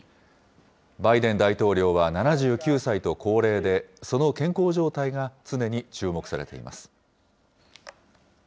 バイデン大統領は７９歳と高齢で、その健康状態が常に注目されています。